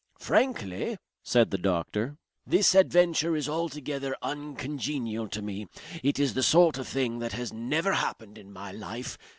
"Frankly," said the doctor, "this adventure is altogether uncongenial to me. It is the sort of thing that has never happened in my life.